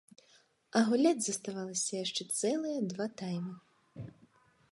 А гуляць заставалася яшчэ цэлыя два таймы.